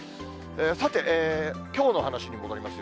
さて、きょうの話に戻りますよ。